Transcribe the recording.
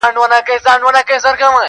• غوجله تياره فضا لري ډېره,